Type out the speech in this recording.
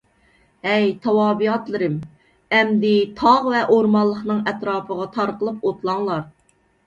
ھەي تاۋابىئاتلىرىم! ئەمدى تاغ ۋە ئورمانلىقنىڭ ئەتراپىغا تارقىلىپ ئوتلاڭلار.